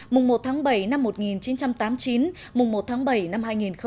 mùng một tháng bảy năm một nghìn chín trăm tám mươi chín mùng một tháng bảy năm hai nghìn một mươi chín